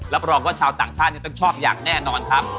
รับรองว่าชาวต่างชาติต้องชอบอย่างแน่นอนครับ